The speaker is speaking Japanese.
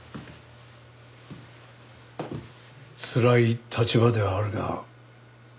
つらい立場ではあるが。